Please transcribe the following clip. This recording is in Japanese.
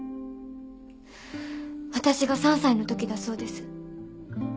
私が３歳の時だそうです。